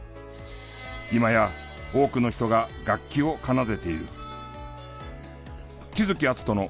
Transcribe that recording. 今や多くの人が楽器を奏でている。